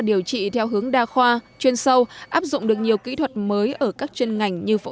điều trị theo hướng đa khoa chuyên sâu áp dụng được nhiều kỹ thuật mới ở các chuyên ngành như phẫu